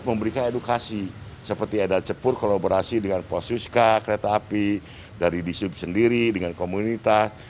memberikan edukasi seperti ada cepur kolaborasi dengan posuska kereta api dari disub sendiri dengan komunitas